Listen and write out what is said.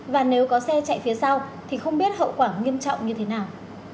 và nếu có xe chạy phía sau thì không biết hậu quả nghiêm trọng như thế nào